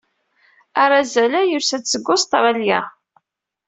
Arazal-a yusa-d seg Ustṛalya.